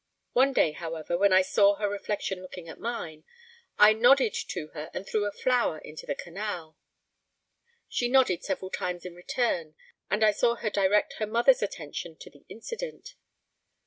One day, however, when I saw her reflection looking at mine, I nodded to her, and threw a flower into the canal. She nodded several times in return, and I saw her direct her mother's attention to the incident.